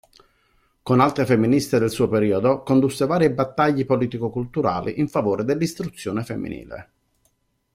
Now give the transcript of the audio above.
Con altre femministe del suo periodo, condusse varie battaglie politico-culturali in favore dell'istruzione femminile.